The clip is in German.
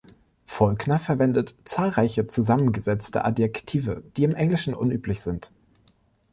Faulkner verwendet zahlreiche zusammengesetzte Adjektive, die im Englischen unüblich sind.